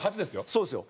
そうですよ。